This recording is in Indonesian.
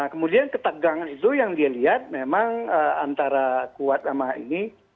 kemudian ketegangan itu yang dia lihat memang antara kuat sama ini